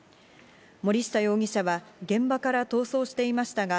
森下容疑者は現場から逃走していましたが、